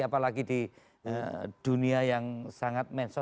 apalagi di dunia yang sangat mensos